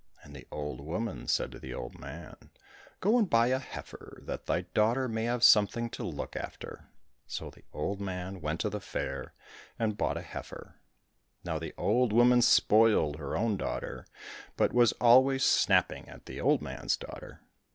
And the old woman said to the old man, " Go and buy a heifer, that thy daughter may have something to look after !" So the old man went to the fair and bought a heifer. Now the old woman spoiled her own daughter, but was always snapping at the old man's daughter.